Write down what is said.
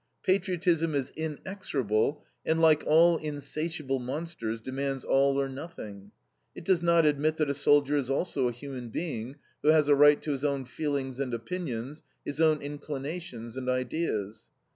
Patriotism is inexorable and, like all insatiable monsters, demands all or nothing. It does not admit that a soldier is also a human being, who has a right to his own feelings and opinions, his own inclinations and ideas.